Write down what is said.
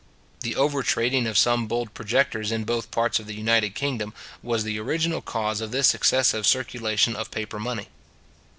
The over trading of some bold projectors in both parts of the united kingdom, was the original cause of this excessive circulation of paper money.